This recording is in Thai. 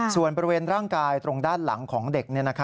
ส่วนบริเวณร่างกายตรงด้านหลังของเด็ก